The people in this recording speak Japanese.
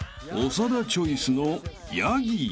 ［長田チョイスのヤギ］